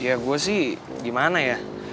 ya gue sih gimana ya